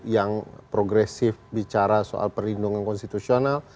yang progresif bicara soal perlindungan konstitusional